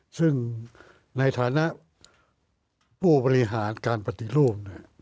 ซึ่งในฐานะผู้บริหารการปฏิรูป